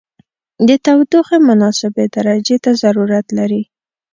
د تودوخې مناسبې درجې ته ضرورت لري.